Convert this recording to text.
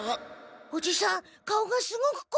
おじさん顔がすごくこわい。